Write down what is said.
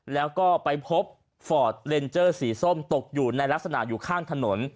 แล้วก็ไปพบฟอร์ดเลนเจอร์สีส้มตกอยู่ในลักษณะอยู่ข้างถนน